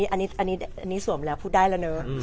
อันนี้สวมแล้วพูดได้แล้วเนอะ